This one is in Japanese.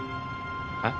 えっ？